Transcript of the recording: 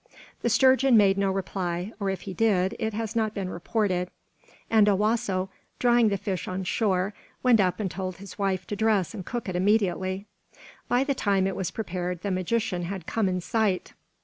The sturgeon made no reply, or if he did, it has not been reported; and Owasso, drawing the fish on shore, went up and told his wife to dress and cook it immediately. By the time it was prepared the magician had come in sight.